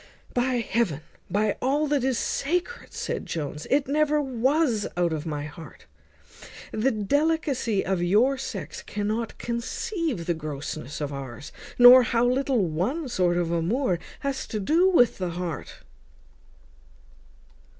"By heaven, by all that is sacred!" said Jones, "it never was out of my heart. The delicacy of your sex cannot conceive the grossness of ours, nor how little one sort of amour has to do with the heart."